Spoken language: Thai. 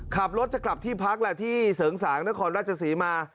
ขับรถจะกลับที่พักแหละที่เสริงสางนครราชศรีมา